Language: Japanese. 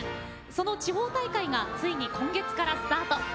その地方大会がついに今月からスタート。